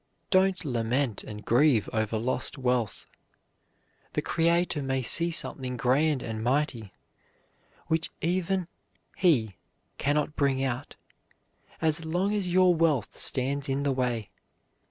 Don't lament and grieve over lost wealth. The Creator may see something grand and mighty which even He can not bring out as long as your wealth stands in the way.